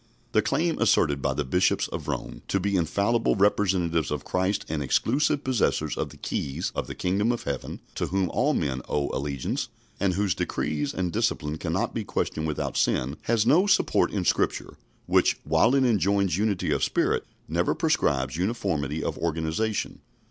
The claim asserted by the Bishops of Rome to be infallible representatives of Christ and exclusive possessors of the keys of the kingdom of heaven, to whom all men owe allegiance, and whose decrees and discipline cannot be questioned without sin, has no support in Scripture, which, while it enjoins unity of spirit, never prescribes uniformity of organisation.